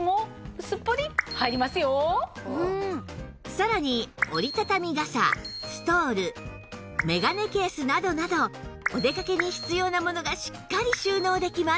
さらに折り畳み傘ストール眼鏡ケースなどなどお出かけに必要なものがしっかり収納できます